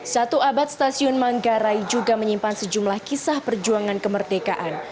satu abad stasiun manggarai juga menyimpan sejumlah kisah perjuangan kemerdekaan